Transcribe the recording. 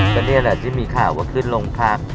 ก็เนี้ยแหละที่มีข่าวว่าขึ้นลงทาง